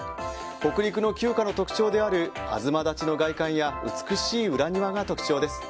北陸の旧家の特徴であるあずまだちの外観や美しい裏庭が特徴です。